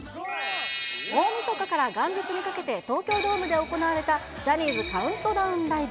大みそかから元日にかけて、東京ドームで行われた、ジャニーズカウントダウンライブ。